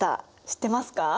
知ってますか？